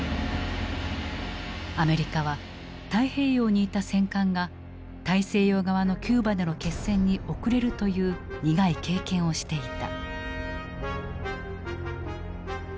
アメリカは太平洋にいた戦艦が大西洋側のキューバでの決戦に遅れるという苦い経験をしていた。